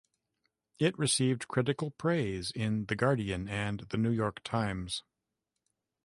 It received critical praise in "The Guardian" and "The New York Times".